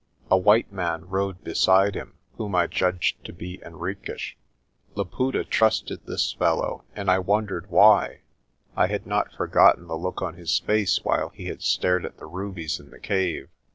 A white man rode be side him, whom I judged to be Henriques. Laputa trusted this fellow and I wondered why. I had not forgotten the look on his face while he had stared at the rubies in the cave.